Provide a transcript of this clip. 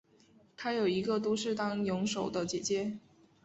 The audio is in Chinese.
她有一个都是当泳手的姐姐。